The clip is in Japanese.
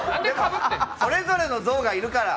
それぞれの象がいるから。